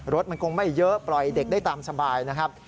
รถมันคงไม่เยอะปล่อยเด็กได้ตามสบายนะครับ